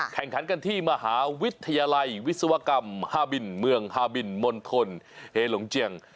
กันที่มหาวิทยาลัยวิศวกรรมห้าบินเมืองห้าบินมนตรเฮลงเจียง